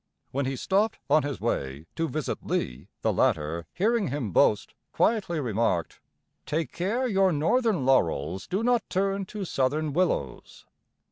When he stopped, on his way, to visit Lee, the latter, hearing him boast, quietly remarked: "Take care your northern laurels do not turn to southern willows."